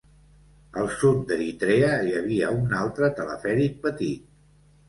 Al sud d'Eritrea hi havia un altre telefèric petit.